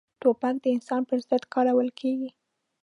توپک د انسان پر ضد کارول کېږي.